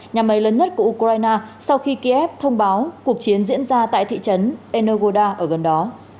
nhà máy lớn nhất của ukraine sau khi kiev thông báo cuộc chiến diễn ra tại thị trấn enogoda ở gần đó